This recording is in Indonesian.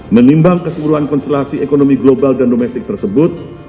menimbang keseluruhan konstelasi ekonomi global dan domestik tersebut